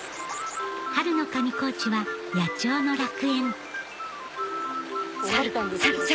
春の上高地は野鳥の楽園猿猿！